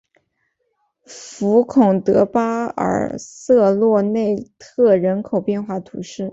福孔德巴尔瑟洛内特人口变化图示